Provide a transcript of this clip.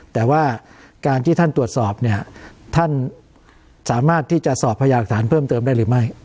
แต่ว่าการที่ท่านตรวจสอบเนี่ยท่านสามารถที่จะสอบพยากฐานเพิ่มเติมได้หรือไม่